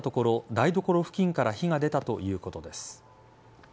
台所付近から火が出たということです。